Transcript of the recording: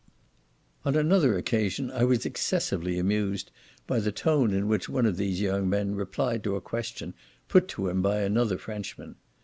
On another occasion I was excessively amused by the tone in which one of these young men replied to a question put to him by another Frenchman.